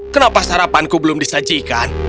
kenapa sarapanku belum disajikan